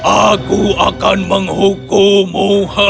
aku akan menghukumu